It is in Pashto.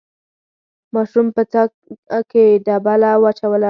ماشوم په څاه کې ډبله واچوله.